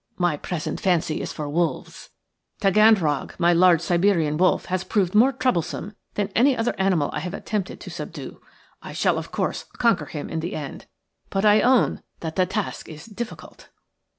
My present fancy is for wolves. Taganrog, my large Siberian wolf, has proved more troublesome than any other animal I have attempted to subdue. I shall, of course, conquer him in the end, but I own that the task is difficult."